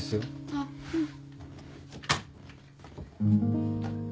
あっうん。